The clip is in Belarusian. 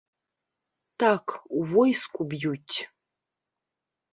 Так, у войску б'юць.